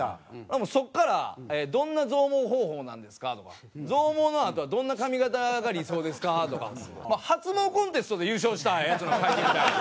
もうそこから「どんな増毛方法なんですか？」とか「増毛のあとはどんな髪形が理想ですか？」とか発毛コンテストで優勝したヤツの会見みたいな。